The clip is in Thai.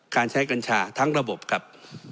การใช้กัญชาทั้งระบบครับ